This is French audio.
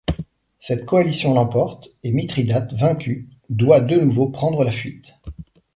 Cette coalition l'emporte et Mithridate, vaincu, doit de nouveau prendre la fuite.